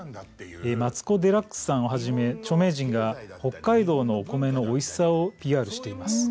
マツコ・デラックスさんをはじめ著名人が北海道のお米のおいしさをＰＲしています。